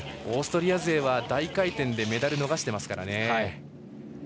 オーストリア勢は大回転でメダルを逃していますからね。